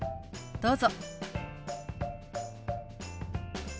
どうぞ。